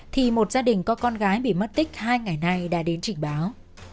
thì một gia đình có con gái bị mất tích hai ngày nay đã đến trình báo